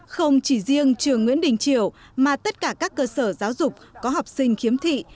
không chỉ riêng trường nguyễn đình triều mà tất cả các cơ sở giáo dục có học sinh khiếm thị